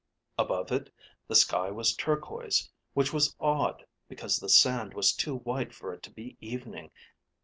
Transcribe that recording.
Above it, the sky was turquoise which was odd because the sand was too white for it to be evening.